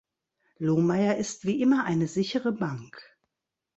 Lohmeyer ist wie immer eine sichere Bank.